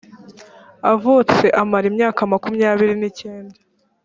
avutse amara imyaka makumyabiri n icyenda